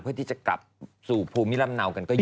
เพื่อที่จะกลับสู่ภูมิลำเนากันก็ดี